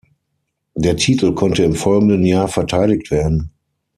Der Titel konnte im folgenden Jahr verteidigt werden.